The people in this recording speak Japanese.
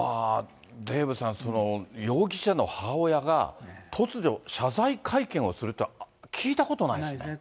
デーブさん、容疑者の母親が突如、謝罪会見をするっていうのは、聞いたことないですね。